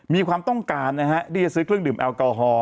มีความต้องการนะฮะที่จะซื้อเครื่องดื่มแอลกอฮอล